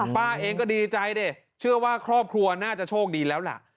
ป้าเองก็ดีใจดิเชื่อว่าครอบครัวน่าจะโชคดีแล้วล่ะ